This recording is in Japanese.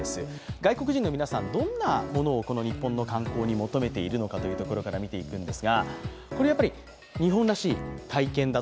外国人の皆さんどんなものを日本の観光に求めているかというところから見ていきます。